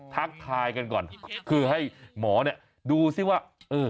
ทักทายกันก่อนคือให้หมอดูสิว่า